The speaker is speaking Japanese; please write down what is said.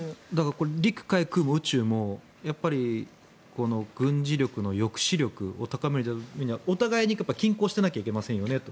陸海空も宇宙もやっぱりこの軍事力の抑止力を高めるためにはお互いに均衡していなきゃいけませんよねと。